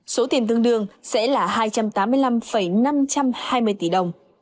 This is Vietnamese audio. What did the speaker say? số tiền tương đương sẽ là hai trăm tám mươi năm năm trăm hai mươi tỷ đồng